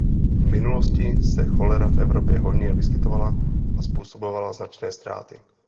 V minulosti se cholera v Evropě hojně vyskytovala a způsobovala značné ztráty.